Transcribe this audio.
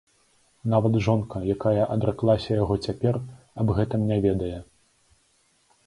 Нават жонка, якая адраклася яго цяпер, аб гэтым не ведае.